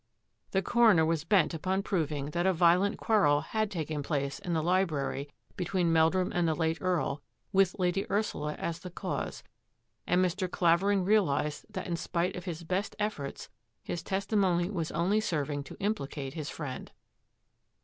The coroner was bent upon proving that a violent quarrel had taken place In the library between Meldrum and the late Earl, with Lady Ursula as the cause, and Mr. Claver Ing realised that In spite of his best eiBTorts his testimony was only serving to Implicate his friend.